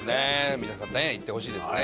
皆さんね行ってほしいですね。